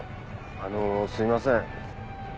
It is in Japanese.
あのすみません。